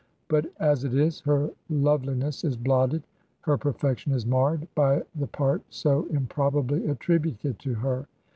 But as it is her love liness is blotted, her perfection is marred, by the part so improbably attributed to her.